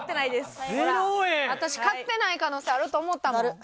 私買ってない可能性あると思ったもん。